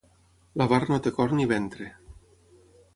L'avar no té cor ni ventre.